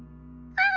あれ？